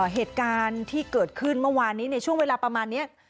เหตุการณ์ที่เกิดขึ้นเมื่อวานนี้ในช่วงเวลาประมาณนี้